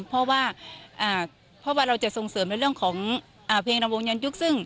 เพราะว่าเราจะส่งเสริมในเรื่องของเพลงรำวงยรยุค